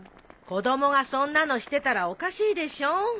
子供がそんなのしてたらおかしいでしょ。